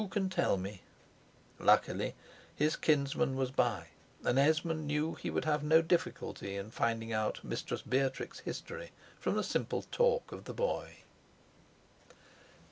who can tell me?" Luckily his kinsman was by, and Esmond knew he would have no difficulty in finding out Mistress Beatrix's history from the simple talk of the boy.